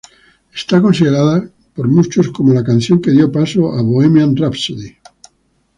Es considerada por muchos como la canción que dio paso a "Bohemian Rhapsody".